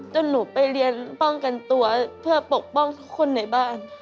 หนูไปเรียนป้องกันตัวเพื่อปกป้องทุกคนในบ้าน